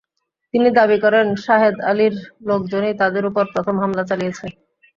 তিনি দাবি করেন, সাহেদ আলীর লোকজনই তাঁদের ওপর প্রথম হামলা চালিয়েছে।